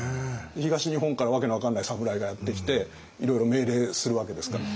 東日本から訳の分かんない侍がやって来ていろいろ命令するわけですから。